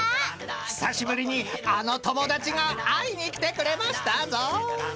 ［久しぶりにあの友達が会いに来てくれましたぞ！］